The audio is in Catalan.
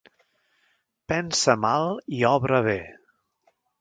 Pensa mal i obra bé.